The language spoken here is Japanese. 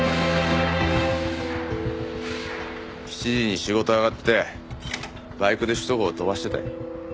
７時に仕事上がってバイクで首都高を飛ばしてたよ。